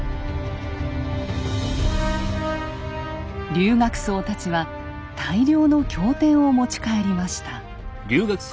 留学僧たちは大量の経典を持ち帰りました。